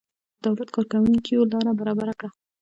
د دولت کارکوونکیو لاره برابره کړه.